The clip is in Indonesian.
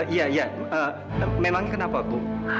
iya iya memangnya kenapa bu